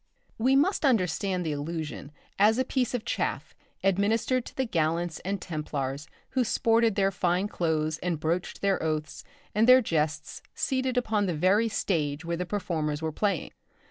We must understand the allusion as a piece of chaff administered to the gallants and templars who sported their fine clothes and broached their oaths and their jests seated upon the very stage where the performers were playing.